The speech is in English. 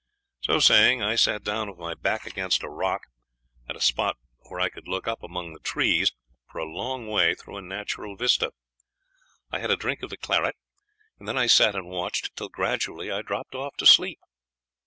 So saying, I sat down with my back against a rock, at a spot where I could look up among the trees for a long way through a natural vista. I had a drink of claret, and then I sat and watched till gradually I dropped off to sleep.